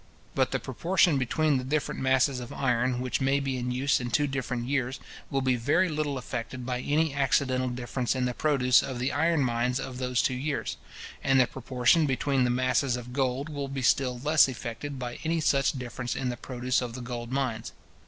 But the proportion between the different masses of iron which may be in use in two different years, will be very little affected by any accidental difference in the produce of the iron mines of those two years; and the proportion between the masses of gold will be still less affected by any such difference in the produce of the gold mines.